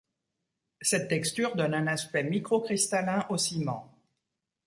Cette texture donne un aspect microcristallin au ciment.